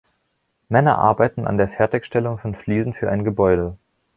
Männer arbeiten an der Fertigstellung von Fliesen für ein Gebäude.